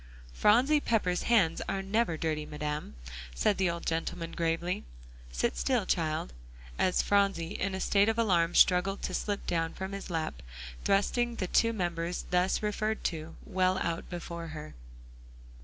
"Phronsie Pepper's hands are never dirty, Madam," said the old gentleman gravely. "Sit still, child," as Phronsie in a state of alarm struggled to slip down from his lap, thrusting the two members thus referred to, well out before her.